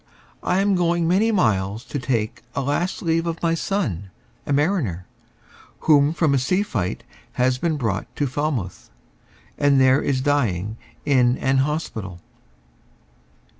I am going many miles to take A last leave of my son, a mariner, Who from a sea fight has been brought to Falmouth, And there is dying in an hospital."